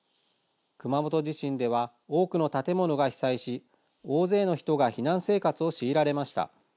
熊本地震では多くの建物が被災し大勢の人が避難生活を強いられました。